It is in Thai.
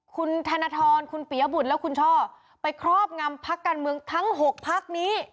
คุณธนทรคุณเปียบุตรและคุณช่อไปครอบงำพักการเมืองทั้ง๖พักนี้